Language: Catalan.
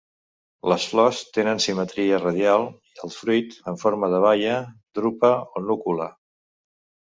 Les flors tenen simetria radial i el fruit en forma de baia, drupa o núcula.